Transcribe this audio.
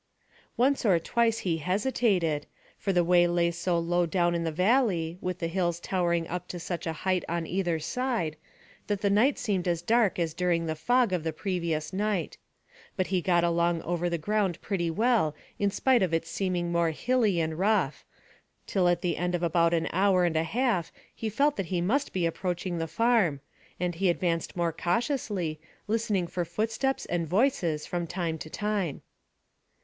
Once or twice he hesitated, for the way lay so low down in the valley, with the hills towering up to such a height on either side, that the night seemed as dark as during the fog of the previous night; but he got along over the ground pretty well in spite of its seeming more hilly and rough, till at the end of about an hour and a half he felt that he must be approaching the farm, and he advanced more cautiously, listening for footsteps and voices from time to time.